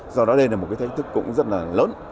do đó đây là một cái thách thức cũng rất là lớn